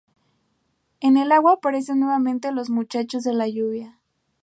En el agua aparecen nuevamente los Muchachos de la Lluvia.